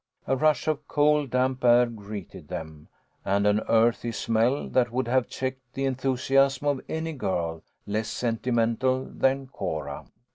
A rush of cold, damp air greeted them, and an earthy smell that would have checked the enthu siasm of any girl less sentimental than Cora.